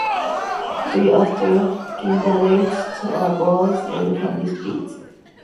Shortly after Keane left the band, Ryan's Fancy split.